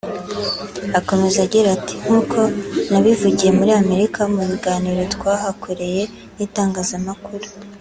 Akomeza agira ati « Nk’uko nabivugiye muri Amerika mu biganiro twahakoreye n’itangazamakuru